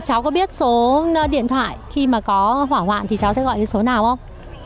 cháu có biết số điện thoại khi mà có hỏa hoạn thì cháu sẽ gọi cái số nào không